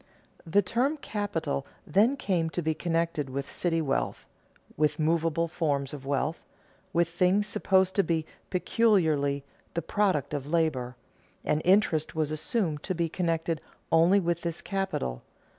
The term capital then came to be connected with city wealth, with movable forms of wealth, with things supposed to be peculiarly "the product of labor"; and interest was assumed to be connected only with this capital.